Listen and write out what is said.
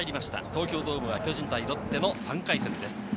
東京ドームは巨人対ロッテの３回戦です。